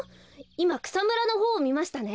いまくさむらのほうをみましたね。